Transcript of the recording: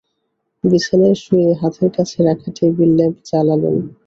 বিছানায় শুয়ে হাতের কাছে রাখা টেবিল ল্যাম্প জ্বালালেন।